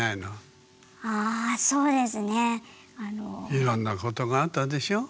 いろんなことがあったでしょ？